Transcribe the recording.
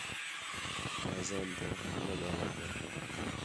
اذان تے وخت نہ ڳاھلا کر